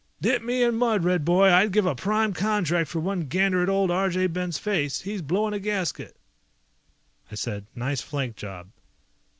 "Dip me in mud, Red boy, I'd give a prime contract for one gander at old Arjay Ben's face. He's blowing a gasket!" I said, "Nice flank job."